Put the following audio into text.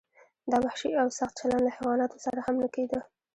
دا وحشي او سخت چلند له حیواناتو سره هم نه کیده.